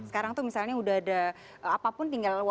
sekarang tuh misalnya udah ada apapun tinggal luar biasa